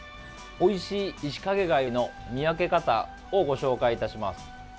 おいしいイシカゲ貝の見分け方をご紹介いたします。